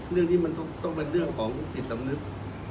เรื่องนี้มันต้องเป็นเรื่องของจิตสำนึก